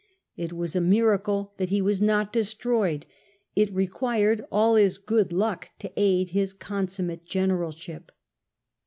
It was a miracle that he was not destroyed ; it required all his good luck to aid his consummate generalship.